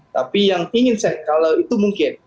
tapi yang ingin saya kalau itu mungkin